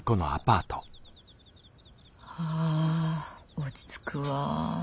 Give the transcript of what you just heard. はぁ落ち着くわ。